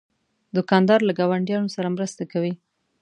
دوکاندار له ګاونډیانو سره مرسته کوي.